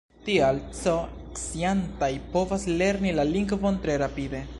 Tial, C-sciantaj povas lerni la lingvon tre rapide.